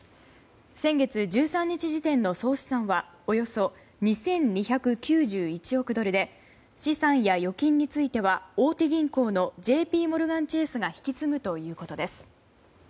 先月１３日時点の総資産はおよそ２２９１億ドルで資産や預金については大手銀行のＪＰモルガン・チェースが引き継ぐということです。